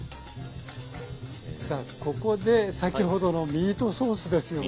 さあここで先ほどのミートソースですよね。